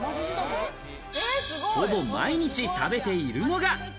ほぼ毎日食べているのが。